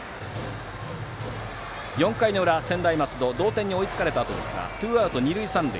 ４回の裏、専大松戸同点に追いつかれたあとですがツーアウト二塁三塁。